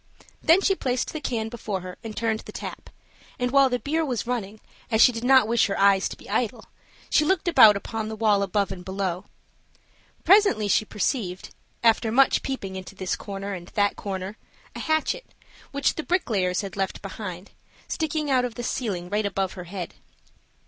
Then she placed the can before her and turned the tap, and while the beer was running, as she did not wish her eyes to be idle, she looked about upon the wall above and below. Presently she perceived, after much peeping into this corner and that corner, a hatchet, which the bricklayers had left behind? sticking out of the ceiling right above her head.